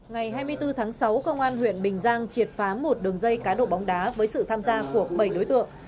ngày hai mươi bốn tháng sáu công an huyện bình giang triệt phá một đường dây cá độ bóng đá với sự tham gia của bảy đối tượng